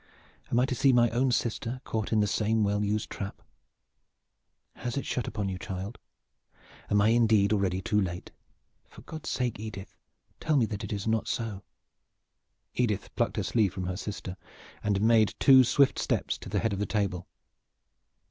Am I to see my own sister caught in the same well used trap? Has it shut upon you, child? Am I indeed already too late? For God's sake, tell me, Edith, that it is not so?" Edith plucked her sleeve from her sister and made two swift steps to the head of the table.